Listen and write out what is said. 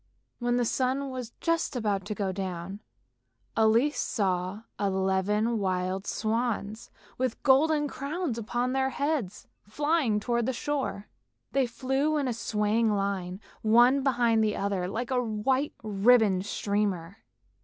When the sun was just about to go down, Elise saw eleven wild swans with golden crowns upon their heads flying towards the shore. They flew in a swaying line, one behind the other, like a white ribbon streamer.